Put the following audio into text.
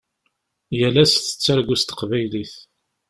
Yal ass tettargu s teqbaylit.